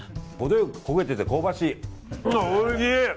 ほどよく焦げてて香ばしい。